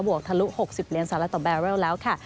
วกทะลุ๖๐เหรียญสหรัฐต่อแบเรลแล้วค่ะ